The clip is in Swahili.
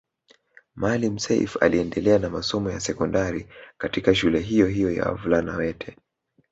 Maalim Self aliendelea na masomo ya sekondari katika shule hiyo hiyo ya wavulana wete